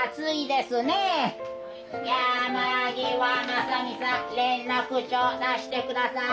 山際正己さん連絡帳出して下さい。